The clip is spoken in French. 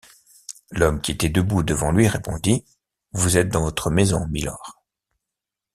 L’homme qui était debout devant lui, répondit: — Vous êtes dans votre maison, mylord.